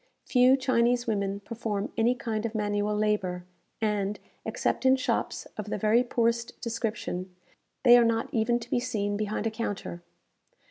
Few Chinese women perform any kind of manual labour; and, except in shops of the very poorest description, they are not even to be seen behind a counter.